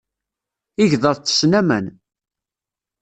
Igḍaḍ ttessen aman.